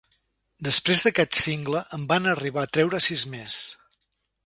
Després d'aquest single en van arribar a treure sis més.